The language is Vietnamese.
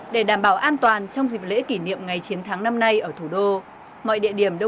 để đảm bảo an toàn trong dịp lễ kỷ niệm ngày chiến thắng năm nay ở thủ đô